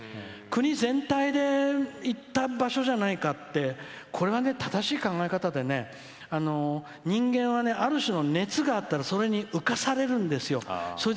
国全体で行った場所じゃないかってこれは正しい考え方で人間は、ある種の熱があったらそれに浮かされるんですよ。